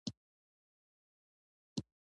هغوی مجبوروي چې درې زره سپاره ولیږي.